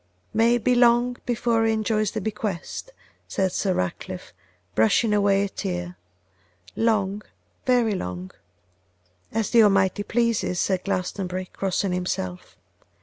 'May it be long before he enjoys the 'bequest,' said Sir Ratcliffe, brushing away a tear; 'long, very long.' 'As the Almighty pleases,' said Glastonbury, crossing himself.